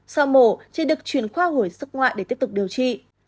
sau mổ trẻ được chuyển khoa hổi sức ngoại để tiếp tục điều trị